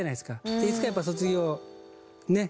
でいつかやっぱ卒業ねっ。